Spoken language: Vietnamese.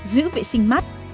giữ vệ sinh mắt